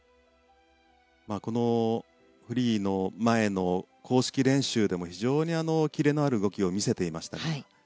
このフリーの前の公式練習でも非常にキレのある動きを見せていました。